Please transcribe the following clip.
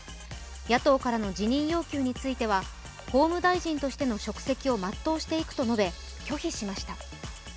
野党からの辞任要求については法務大臣としての職責を全うしていくと述べ、拒否しました。